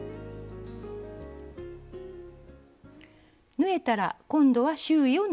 縫えたら今度は周囲を縫います。